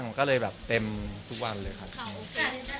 น่าจะแบบมันเป็นโดมมือของคุณมาก็แบบเป็นเครื่องอีก